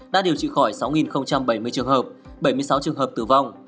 đã điều trị khỏi sáu bảy mươi trường hợp bảy mươi sáu trường hợp tử vong